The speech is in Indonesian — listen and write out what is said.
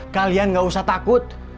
kalian gak usah takut